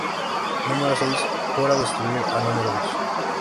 Número Seis jura destruir a Número Dos.